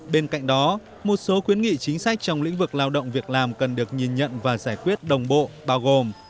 bên cạnh đó một số khuyến nghị chính sách trong lĩnh vực lao động việc làm cần được nhìn nhận và giải quyết đồng bộ bao gồm